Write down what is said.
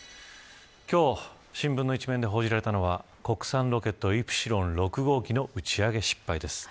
今日新聞の一面で報じられたのは国産ロケットイプシロン６号機の打ち上げ失敗です。